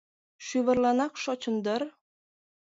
Шӱвырланак шочын дыр?!.